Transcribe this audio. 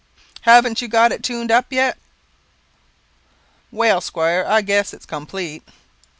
_ Hav'nt you got it tuned up yet?" Well, squire, I guess it's complete."